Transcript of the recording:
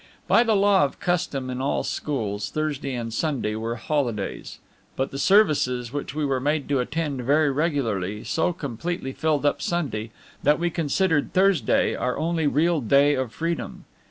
By the law of custom in all schools, Thursday and Sunday were holidays; but the services, which we were made to attend very regularly, so completely filled up Sunday, that we considered Thursday our only real day of freedom.